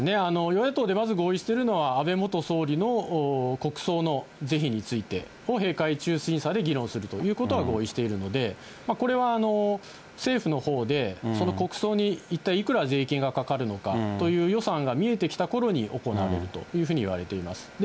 与野党でまず合意しているのは、安倍元総理の国葬の是非についてを閉会中審査で議論するということは合意しているので、これは政府のほうで、その国葬に一体いくら税金がかかるのかという予算が見えてきたころに行われるというふうにいわれています。